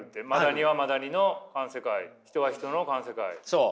そう。